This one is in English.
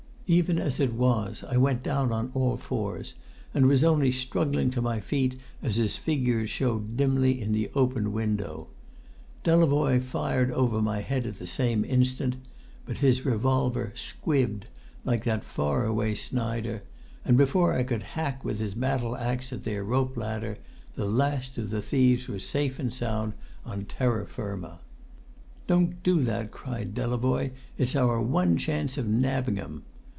Even as it was I went down on all fours, and was only struggling to my feet as his figure showed dimly in the open window. Delavoye fired over my head at the same instant, but his revolver "squibbed" like that far away Snider, and before I could hack with his battle axe at their rope ladder, the last of the thieves was safe and sound on terra firma. [Illustration: Delavoye fired over my head.] "Don't do that!" cried Delavoye. "It's our one chance of nabbing 'em."